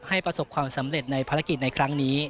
ประสบความสำเร็จในภารกิจในครั้งนี้